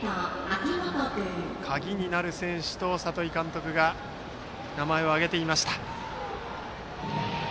鍵になる選手と里井監督が名前を挙げていた北川。